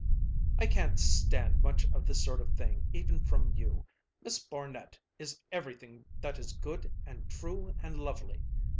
"I can't stand much of this sort of thing, even from you. Miss Barnet is everything that is good and true and lovely.